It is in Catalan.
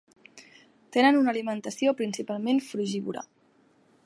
Tenen una alimentació principalment frugívora.